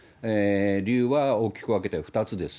理由は大きく分けて２つです。